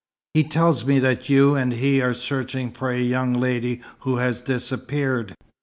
He tells me that you and he are searching for a young lady who has disappeared.